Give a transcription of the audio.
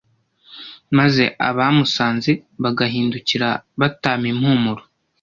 maze abamusanze bagahindukira batama impumuro